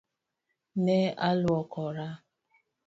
Ne aluokora.